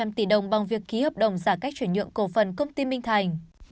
vay năm trăm linh tỷ đồng bằng việc ký hợp đồng giả cách chuyển nhượng cổ phần công ty minh thành